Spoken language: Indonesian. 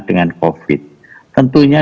dengan covid tentunya